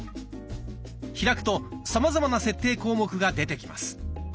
開くとさまざまな設定項目が出てきます。